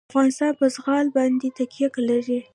افغانستان په زغال باندې تکیه لري.